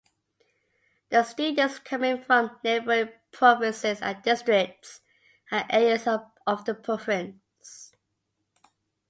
The students coming from neighboring provinces and districts and areas of the province.